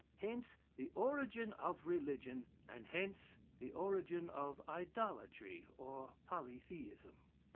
Hence the origin of religion: and hence the origin of idolatry or polytheism."